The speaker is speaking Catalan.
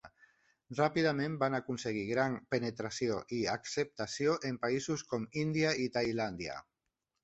Ràpidament van aconseguir gran penetració i acceptació en països com Índia i Tailàndia.